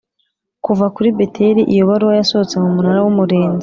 kuva kuri Beteli Iyo baruwa yasohotse mu Munara w Umurinzi